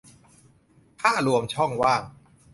ถ้ารวมช่องว่าง